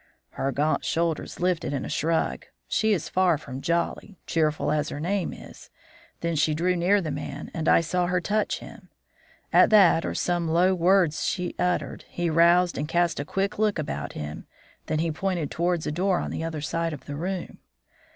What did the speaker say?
"Her gaunt shoulders lifted in a shrug she is far from jolly, cheerful as her name is then she drew near the man and I saw her touch him. At that, or some low words she uttered, he roused and cast a quick look about him, then he pointed towards a door on the other side of the room.